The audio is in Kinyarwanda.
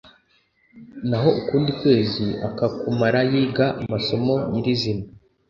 naho ukundi kwezi akakumara yiga amasomo nyirizina